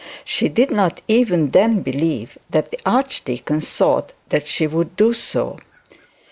She did not even then believe that the archdeacon thought that she would do so.